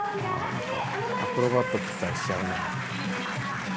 アクロバット期待しちゃうな。